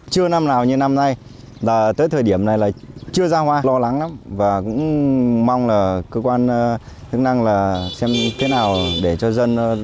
chưa năm nào như năm nay là tới thời điểm này là chưa ra hoa lo lắng lắm và cũng mong là cơ quan chức năng là xem thế nào để cho dân